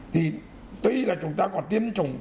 thì tuy là chúng ta có tiêm chủng